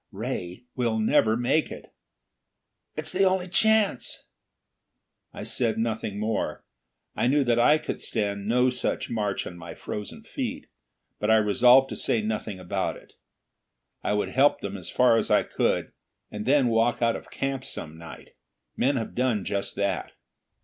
Ray, we'd never make it!" "It's the only chance." I said nothing more. I knew that I could stand no such march on my frozen feet, but I resolved to say nothing about it. I would help them as far as I could, and then walk out of camp some night. Men have done just that.